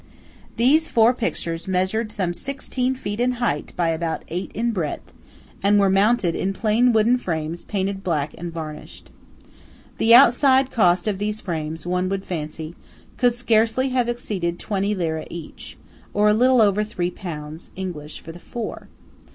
These four pictures measured some sixteen feet in height by about eight in breadth, and were mounted in plain wooden frames painted black and varnished. The outside cost of these frames, one would fancy, could scarcely have exceeded twenty lire each, or a little over three pounds English for the four.